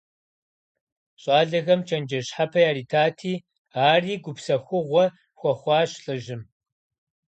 ЩӀалэхэм чэнджэщ щхьэпэ яритати, ари гупсэхугъуэ хуэхъуащ лӀыжьым.